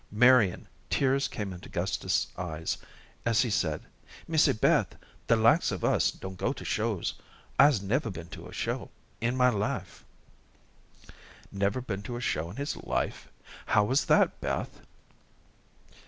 Marian, tears came into Gustus's eyes, as he said, 'Missy Beth, the likes of us don't go to shows. I'se never been to a show in my life.'" "Never been to a show in his life? How was that, Beth?"